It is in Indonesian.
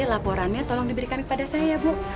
laporannya tolong diberikan kepada saya ya bu